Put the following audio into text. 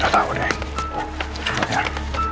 gak tau deh coba lihat